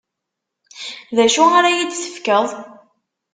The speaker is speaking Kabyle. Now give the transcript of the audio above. D acu ara yi-d-tefkeḍ?